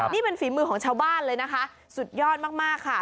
นี่เป็นฝีมือของชาวบ้านเลยนะคะสุดยอดมากค่ะ